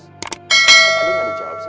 tadi gak dijawab sih